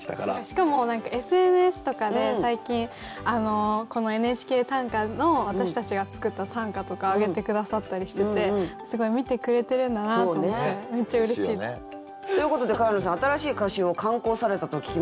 しかも何かＳＮＳとかで最近この「ＮＨＫ短歌」の私たちが作った短歌とかあげて下さったりしててすごい見てくれてるんだなと思ってめっちゃうれしい。ということで川野さん新しい歌集を刊行されたと聞きましたけれども。